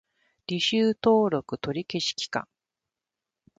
履修登録取り消し期間